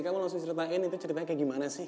kamu langsung ceritain itu ceritanya kayak gimana sih